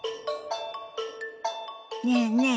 ねえねえ